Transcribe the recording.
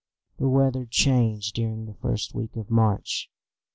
The weather changed during the first week of March.